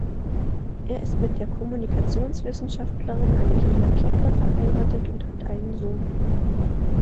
Er ist mit der Kommunikationswissenschaftlerin Angela Keppler verheiratet und hat einen Sohn.